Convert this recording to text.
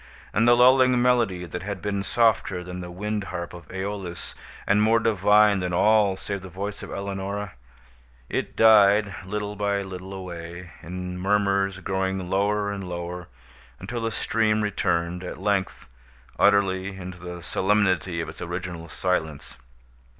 And the lulling melody that had been softer than the wind harp of Æolus, and more divine than all save the voice of Eleonora, it died little by little away, in murmurs growing lower and lower, until the stream returned, at length, utterly, into the solemnity of its original silence.